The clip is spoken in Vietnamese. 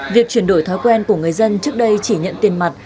việc chuyển đổi thói quen của người dân trước đây chỉ nhận tiền mặt